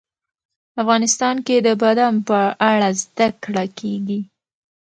افغانستان کې د بادام په اړه زده کړه کېږي.